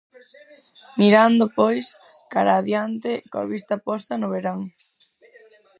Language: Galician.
Mirando, pois, cara a adiante, coa vista posta no verán.